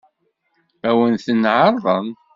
Ad wen-ten-ɛeṛḍen?